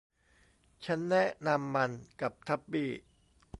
ฉันแนะนำมันกับทับปี้